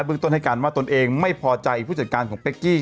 เรื่องต้นให้การว่าตนเองไม่พอใจผู้จัดการของเป๊กกี้